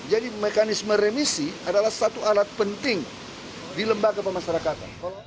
jadi mekanisme remisi adalah satu alat penting di lembaga pemasyarakatan